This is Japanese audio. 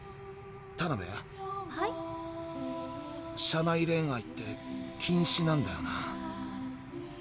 「社内恋愛」って禁止なんだよな。